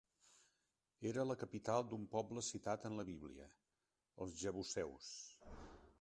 Era la capital d'un poble citat en la Bíblia, els jebuseus.